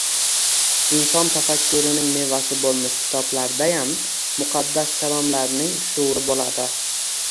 inson tafakkurining mevasi bo‘lmish kitoblardayam muqaddas kalomlarning shuuri bo‘ladi.